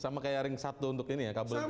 sama kayak ring satu untuk ini ya kabel